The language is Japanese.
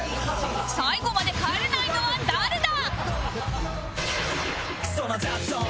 最後まで帰れないのは誰だ？